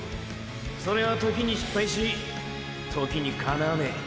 それは時に失敗し時に叶わねェ。